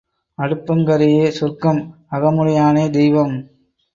அடுப்பங் கரையே சொர்க்கம் அகமுடையானே தெய்வம்.